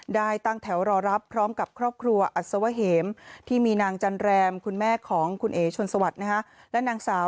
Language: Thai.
ได้ตั้งแถวรอรับพร้อมกับครอบครัวอัศวะเหมที่มีนางจันแรมคุณแม่ของคุณเอ๋ชนสวัสดิ์และนางสาว